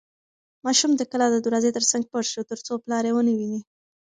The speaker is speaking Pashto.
ماشوم د کلا د دروازې تر څنګ پټ شو ترڅو پلار یې ونه ویني.